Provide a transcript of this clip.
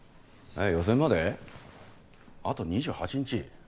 「予選まであと２８日」。